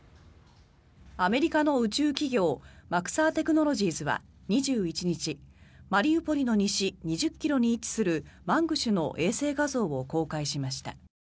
アメリカの宇宙企業マクサー・テクノロジーズは２１日マリウポリの西２０ｋｍに位置するマングシュの衛星画像を公開しました。